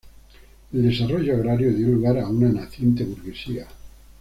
El desarrollo agrario dio lugar a una naciente burguesía.